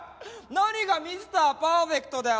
何がミスター・パーフェクトだよ？